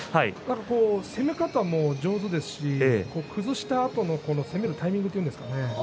攻め方も上手ですし崩したあと攻めるタイミングですかね